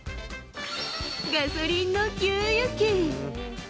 ガソリンの給油機。